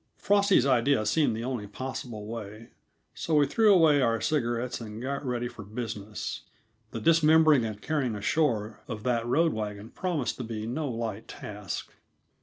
Frosty's idea seemed the only possible way, so we threw away our cigarettes and got ready for business; the dismembering and carrying ashore of that road wagon promised to be no light task.